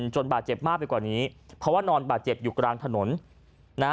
บาดเจ็บมากไปกว่านี้เพราะว่านอนบาดเจ็บอยู่กลางถนนนะฮะ